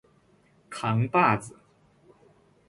扛把子